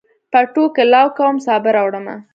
پټوکي لو کوم، سابه راوړمه